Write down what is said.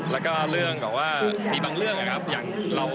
แล้วก็เรื่องแบบว่ามีบางเรื่องนะครับ